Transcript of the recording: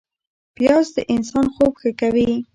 پیاز د انسان خوب ښه کوي